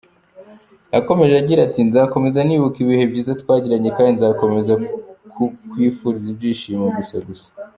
Yakomeje agira ati: “Nzakomeza nibuka ibihe byiza twagiranye, kandi nzakomeza kukwifuriza ibyishimo gusa gusa….